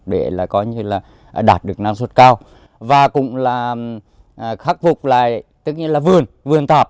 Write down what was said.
để là có như là đạt được năng suất cao và cũng là khắc phục lại tức là vườn vườn tạp